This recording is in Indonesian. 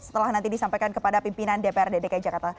setelah nanti disampaikan kepada pimpinan dpr dan dki jakarta